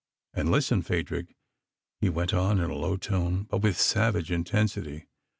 And listen, Phadrig," he went on in a low tone, but with savage intensity.